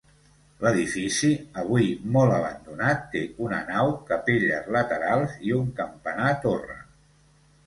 L'edifici, avui molt abandonat, té una nau, capelles laterals i un campanar torre.